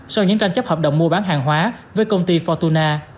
sau những tranh chấp hợp đồng mua bán hàng hóa với công ty fortuna